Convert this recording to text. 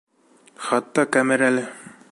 Хатта кәмер әле.